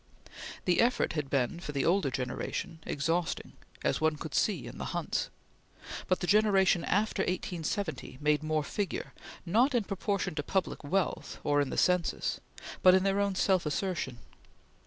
The effort had been, for the older generation, exhausting, as one could see in the Hunts; but the generation after 1870 made more figure, not in proportion to public wealth or in the census, but in their own self assertion.